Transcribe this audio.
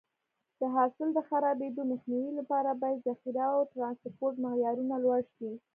د حاصل د خرابېدو مخنیوي لپاره باید ذخیره او ټرانسپورټ معیارونه لوړ شي.